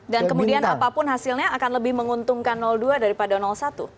dan kemudian apapun hasilnya akan lebih menguntungkan dua daripada satu